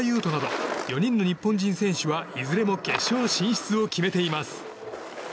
斗など４人の日本人選手はいずれも決勝進出を決めています。